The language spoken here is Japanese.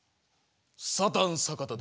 サタン坂田だ。